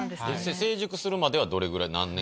成熟するまでどれぐらい？